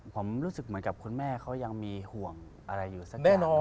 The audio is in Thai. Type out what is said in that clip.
ผมรู้สึกเหมือนกับคุณแม่เขายังมีห่วงอะไรอยู่สักแน่นอน